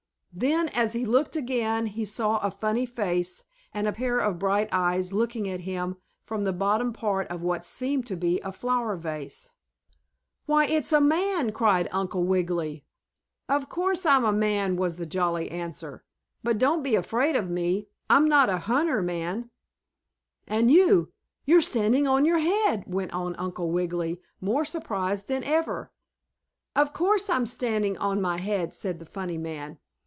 Then, as he looked again, he saw a funny face, and a pair of bright eyes looking at him from the bottom part of what seemed to be a flower vase. "Why, it's a man!" cried Uncle Wiggily. "Of course I'm a man," was the jolly answer. "But don't be afraid of me; I'm not a hunter man." "And you you're standing on your head!" went on Uncle Wiggily, more surprised than ever. "Of course I'm standing on my head!" said the funny man.